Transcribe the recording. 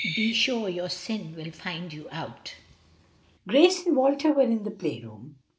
"Be sure your sin will find you out." Num. 32:33. Gracie and Walter were in the play room.